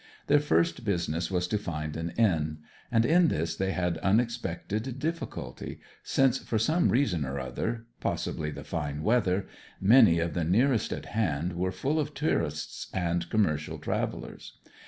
Their first business was to find an inn; and in this they had unexpected difficulty, since for some reason or other possibly the fine weather many of the nearest at hand were full of tourists and commercial travellers.